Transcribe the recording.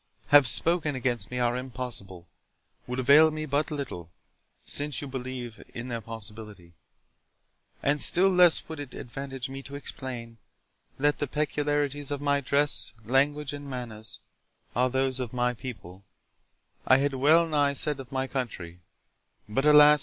have spoken against me are impossible, would avail me but little, since you believe in their possibility; and still less would it advantage me to explain, that the peculiarities of my dress, language, and manners, are those of my people—I had well nigh said of my country, but alas!